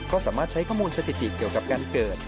ก็สามารถใช้ข้อมูลสถิติเกี่ยวกับการเกิด